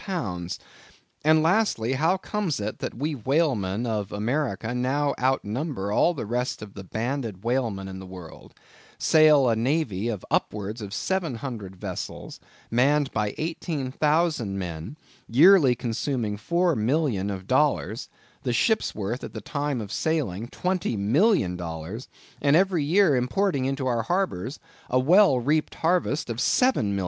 And lastly, how comes it that we whalemen of America now outnumber all the rest of the banded whalemen in the world; sail a navy of upwards of seven hundred vessels; manned by eighteen thousand men; yearly consuming 4,000,000 of dollars; the ships worth, at the time of sailing, $20,000,000! and every year importing into our harbors a well reaped harvest of $7,000,000.